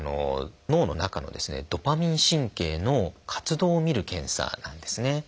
脳の中のドパミン神経の活動をみる検査なんですね。